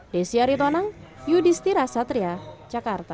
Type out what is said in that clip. desyari tonang yudhistira satria jakarta